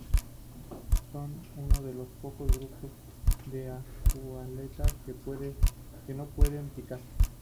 Son uno de los pocos grupos de Aculeata que no pueden picar.